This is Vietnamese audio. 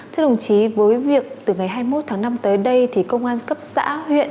thưa đồng chí với việc từ ngày hai mươi một tháng năm tới đây thì công an cấp xã huyện